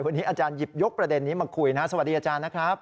วันนี้อาจารย์หยิบยกประเด็นนี้มาคุยนะครับสวัสดีอาจารย์นะครับ